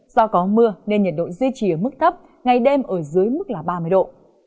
do có mưa nên nhiệt độ duy trì ở mức thấp ngày đêm ở dưới mức là ba mươi độ